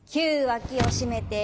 ９脇を締めて。